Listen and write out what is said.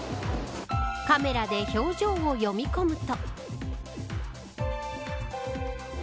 カメラで表情を読み込むと。